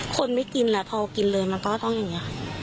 คนไม่กินแล้วพอกินเลยมันก็ต้องยังไงอะ